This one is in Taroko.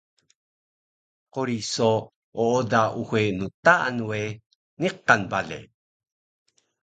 quri so ooda uxe ntaan we niqan bale